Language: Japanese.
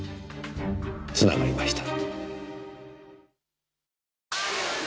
つながりました。